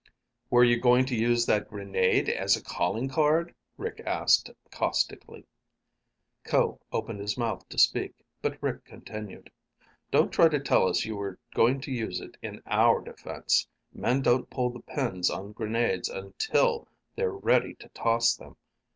"Were you going to use that grenade as a calling card?" Rick asked caustically. Ko opened his mouth to speak, but Rick continued, "Don't try to tell us you were going to use it in our defense. Men don't pull the pins on grenades until they're ready to toss them.